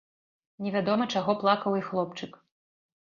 Невядома, чаго плакаў і хлопчык.